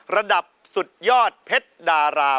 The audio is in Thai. ระดับสุดยอดเพชรดารา